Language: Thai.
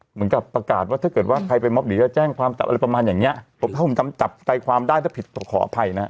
เหมือนกับประกาศว่าถ้าเกิดว่าใครไปมอบหนีจะแจ้งความจับอะไรประมาณอย่างเนี้ยผมถ้าผมจำจับใจความได้ถ้าผิดต้องขออภัยนะฮะ